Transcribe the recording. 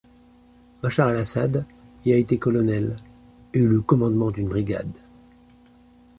Bashar el-Assad y a été colonel, et eut le commandement d'une brigade.